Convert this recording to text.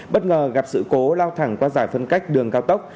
bất ngờ gặp sự cố lao thẳng qua giải phân cách đường cao tốc